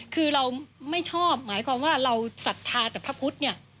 คือเราไม่ชอบหมายความว่าเราศรัทธาแต่พระพุทธเนี่ย